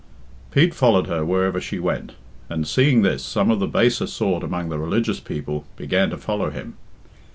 Pete followed her wherever she went, and, seeing this, some of the baser sort among the religious people began to follow him.